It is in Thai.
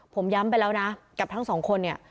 ผมย้ำไปแล้วนะกับทั้งสองคนเนี่ย